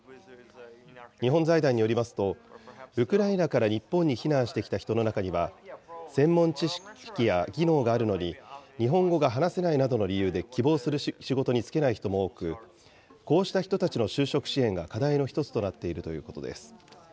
日本財団によりますと、ウクライナから日本に避難してきた人の中には、専門知識や技能があるのに、日本語が話せないなどの理由で、希望の仕事に就けない人も多く、こうした人たちの就職支援が課題の一つになっているということです。